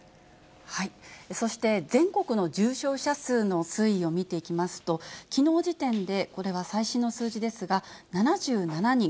そして全国の重症者数の推移を見ていきますと、きのう時点で、これは最新の数字ですが、７７人。